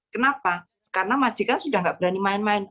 kenapa karena majikan sudah tidak berani main main